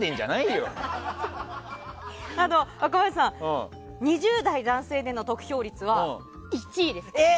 若林さん、２０代男性での得票率は１位です。